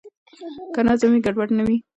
که نظم وي ګډوډي نه وي.